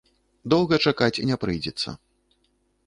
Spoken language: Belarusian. Доўга чакаць не прыйдзецца.